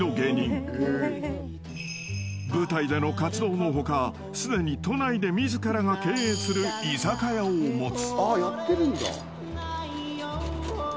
［舞台での活動の他すでに都内で自らが経営する居酒屋を持つ］